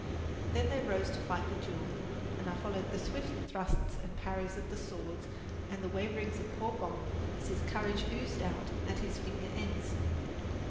Then they rose to fight the duel, and I followed the swift thrusts and parries of the swords and the waverings of poor Bob as his courage oozed out at his finger ends.